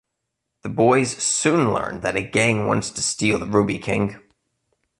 The boys soon learn that a gang wants to steal the Ruby King.